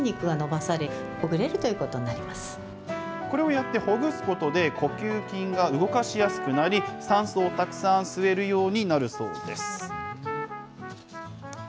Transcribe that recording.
こうやってほぐすことで、呼吸筋が動かしやすくなり、酸素をたくさん吸えるようになるそうです。